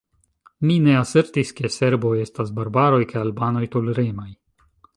Mi ne asertis, ke serboj estas barbaroj kaj albanoj toleremaj.